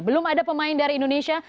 belum ada pemain dari indonesia